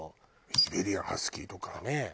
シベリアン・ハスキーとか？とかね。